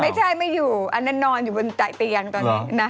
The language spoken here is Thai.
ไม่ใช่ไม่อยู่อันนั้นนอนอยู่บนจ่ายเตียงตอนนี้นะ